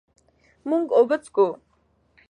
مونږ اوبه څښو.